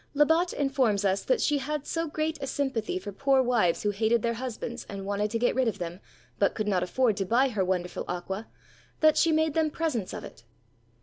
Lebat informs us that she had so great a sympathy for poor wives who hated their husbands and wanted to get rid of them, but could not afford to buy her wonderful aqua, that she made them presents of it.